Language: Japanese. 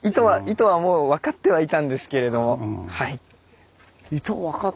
意図はもう分かってはいたんですけれども。